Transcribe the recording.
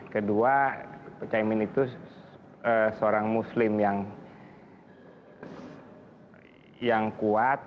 kedua pak muhyemine itu seorang muslim yang kuat